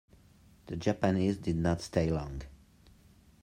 The Japanese did not stay long.